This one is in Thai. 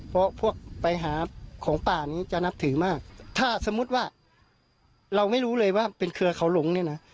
เพราะพวกไปหาของป่านี้จะนับถือมากถ้าสมมุติว่าเราไม่รู้เลยว่าเป็นเครือเขาหลงเนี่ยนะ